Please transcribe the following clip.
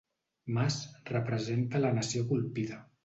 Mas representa la nació colpida